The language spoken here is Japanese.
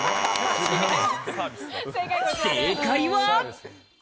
正解は。